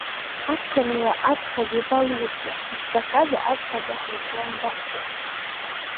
Аԥырра аӡӷаб иабалусу, избахьада аӡӷаб аҳаирплан дақәтәаны.